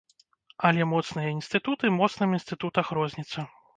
Але моцныя інстытуты моцным інстытутах розніца.